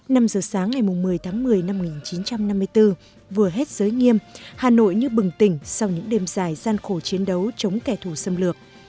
năm giờ sáng ngày một mươi tháng một mươi năm một nghìn chín trăm năm mươi bốn vừa hết giới nghiêm hà nội như bừng tỉnh sau những đêm dài gian khổ chiến đấu chống kẻ thù xâm lược